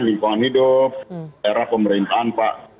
lingkungan hidup era pemerintahan pak